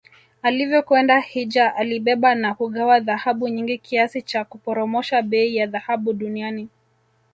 Alivyokwenda hijja alibeba na kugawa dhahabu nyingi kiasi cha kuporomosha bei ya dhahabu duniani